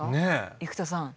生田さん。